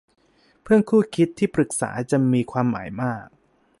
เพื่อนคู่คิดที่ปรึกษาจะมีความหมายมาก